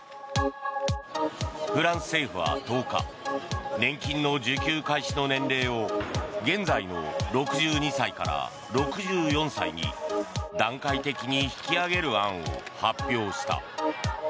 フランス政府は１０日年金の受給開始の年齢を現在の６２歳から６４歳に段階的に引き上げる案を発表した。